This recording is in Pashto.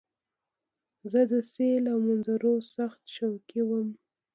زه د سیل او منظرو سخت شوقی وم.